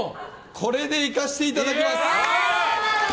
これでいかせていただきます！